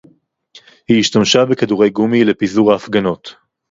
היא השתמשה בכדורי גומי לפיזור ההפגנות